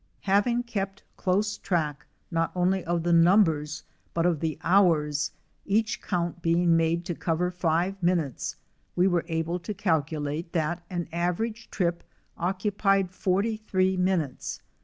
Having kept close track not only of the numbers, but of the hours, each count being made to cover five minutes, we were able to calculate that an average trip occu pied forty three min utes.